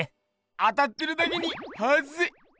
当たってるだけにはずい！